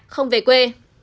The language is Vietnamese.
không về quê